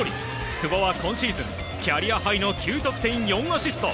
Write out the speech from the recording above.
久保は今シーズンキャリアハイの９得点４アシスト。